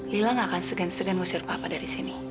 lila gak akan segan segan ngusir papa dari sini